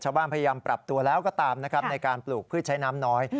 ชาวบ้านพยายามปรับตัวแล้วก็ตามในการปลูกพืชใช้น้ำน้อย